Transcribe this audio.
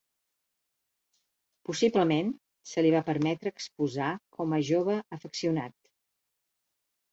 Possiblement se li va permetre exposar com a jove afeccionat.